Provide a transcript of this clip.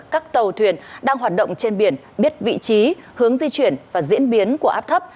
các tàu thuyền đang hoạt động trên biển biết vị trí hướng di chuyển và diễn biến của áp thấp